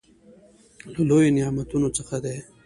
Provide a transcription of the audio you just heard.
له لويو نعمتونو څخه دى.